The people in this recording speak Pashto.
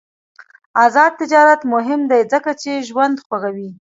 آزاد تجارت مهم دی ځکه چې ژوند خوږوي.